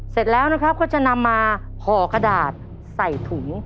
เสร็จแล้วนะครับก็จะนำมาห่อกระดาษใส่ถุง